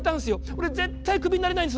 俺絶対クビになれないんです。